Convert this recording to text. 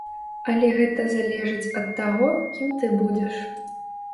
Але гэта залежыць ад таго, кім ты будзеш.